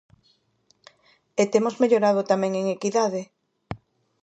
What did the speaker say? E temos mellorado tamén en equidade.